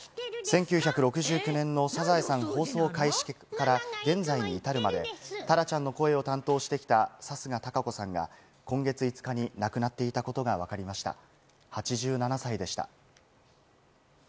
１９６９年の『サザエさん』放送開始から現在に至るまでタラちゃんの声を担当してきた貴家堂子さんが、今月５日に亡くなっていたことが分かりました、８７歳でした。